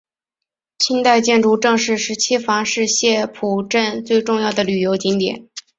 清代建筑郑氏十七房是澥浦镇最重要的旅游景点。